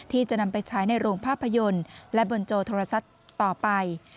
ที่จะนำไปใช้ในโรงภาพยนตร์และบนโจโทรศัพท์ต่อไป